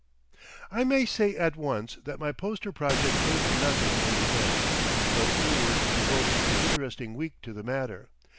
I may say at once that my poster project came to nothing in the end, though Ewart devoted an interesting week to the matter.